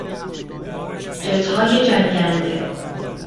جتهای جنگنده